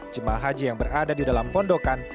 jemaah haji yang berada di dalam pondokan